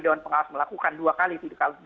doan pengawas melakukan dua kali